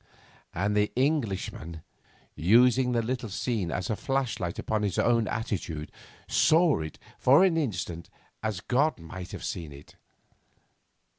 And the Englishman, using the little scene as a flashlight upon his own attitude, saw it for an instant as God might have seen it.